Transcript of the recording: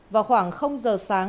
vào khoảng giờ sáng